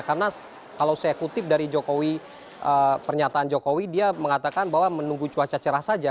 karena kalau saya kutip dari jokowi pernyataan jokowi dia mengatakan bahwa menunggu cuaca cerah saja